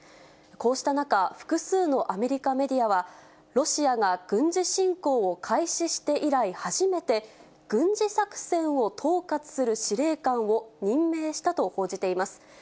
こうした中、複数のアメリカメディアは、ロシアが軍事侵攻を開始して以来初めて、軍事作戦を統括する司令官を任命したと報じています。